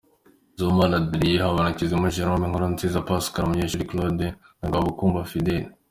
Sibomana Adrien, Habanabakize Jerome, Nkurunziza Pascal, Munyeshuli Claude na Rwabukumba Fidel!